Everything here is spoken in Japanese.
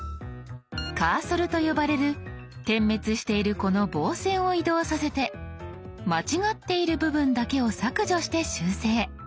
カーソルと呼ばれる点滅しているこの棒線を移動させて間違っている部分だけを削除して修正。